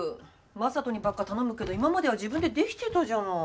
正門にばっか頼むけど今までは自分でできてたじゃない。